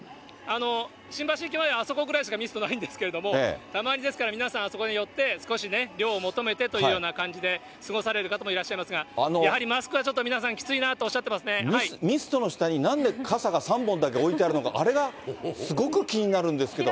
新橋駅前、あそこぐらいしかミストないんですけれども、たまに、ですから皆さんあそこに寄って、少し涼を求めてというような感じで過ごされる方もいらっしゃいますが、やはりマスクはちょっと皆さん、きついなとおっしゃっていミストの下に、なんで傘が３本だけ置いてあるのか、あれがすごく気になるんですけど。